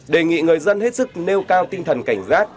đề nghị người dân hết sức nêu cao tinh thần cảnh giác